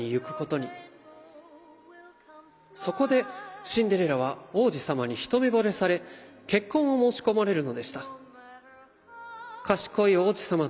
そこでシンデレラは王子様に一目ぼれされ結婚を申し込まれるのでした」。